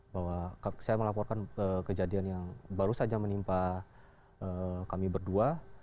bahwa saya melaporkan kejadian yang baru saja menimpa kami berdua